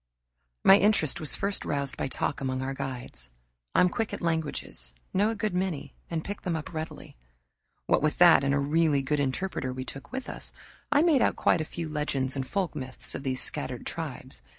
My interest was first roused by talk among our guides. I'm quick at languages, know a good many, and pick them up readily. What with that and a really good interpreter we took with us, I made out quite a few legends and folk myths of these scattered tribes.